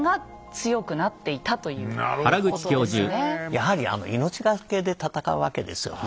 やはり命懸けで戦うわけですよね。